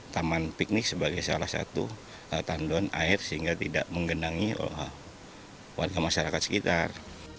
taman piknik sebagai salah satu tandon air sehingga tidak menggenangi warga masyarakat sekitar